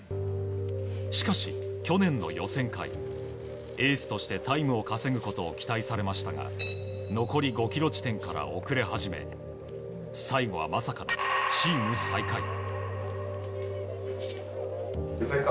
しかし、去年の予選会エースとしてタイムを稼ぐことを期待されましたが残り５ｋｍ地点から遅れ始め最後はまさかのチーム最下位。